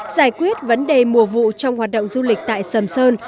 giải quyết vấn đề mùa vụ trong hoạt động du lịch tại sầm sơn